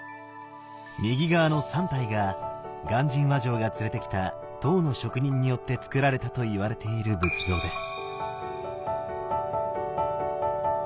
右側の３体が鑑真和上が連れてきた唐の職人によってつくられたといわれている仏像です。